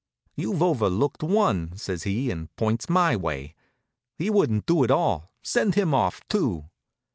"You've overlooked one," says he, and points my way. "He wouldn't do at all. Send him off, too."